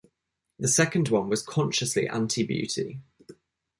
The second one was consciously anti-beauty.